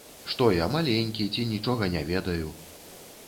Што я, маленькі ці нічога не ведаю?